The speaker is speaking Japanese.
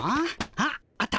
あっあった！